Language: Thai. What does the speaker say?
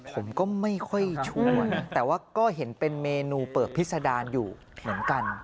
ผมก็ไม่ค่อยชัวร์นะแต่ว่าก็เห็นเป็นเมนูเปิบพิษดารอยู่เหมือนกัน